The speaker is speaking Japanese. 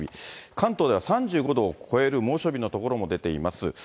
関東では３５度を超える猛暑日の所も出ています。